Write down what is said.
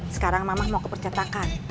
sekarang mamah mau ke percetakan